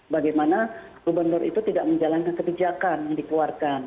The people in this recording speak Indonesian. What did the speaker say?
bagaimana gubernur itu tidak menjalankan kebijakan yang dikeluarkan